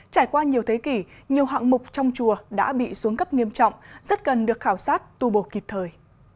trải qua nhiều thế kỷ nhiều hạng mục trong chùa đã bị xuống cấp nghiêm trọng rất cần được khảo sát tu bộ kịp thời